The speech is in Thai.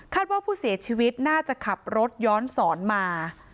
ว่าผู้เสียชีวิตน่าจะขับรถย้อนสอนมา